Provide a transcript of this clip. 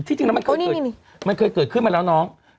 ที่จริงมันเคยเกิดขึ้นมาแล้วน้อง